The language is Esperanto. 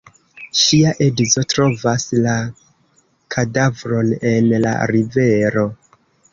Ŝia edzo trovas la kadavron en la rivero.